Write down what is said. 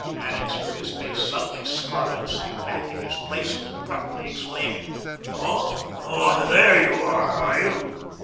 Annixter, his face suddenly scarlet, sat back in his place abruptly, exclaiming: "Oh oh, there you are, are you?"